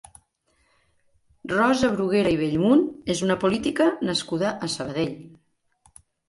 Rosa Bruguera i Bellmunt és una política nascuda a Sabadell.